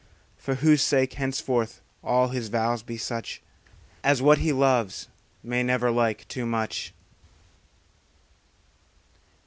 For whose sake henceforth all his vows be such As what he loves may never like too much.